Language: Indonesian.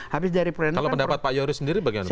kalau pendapat pak yoris sendiri bagaimana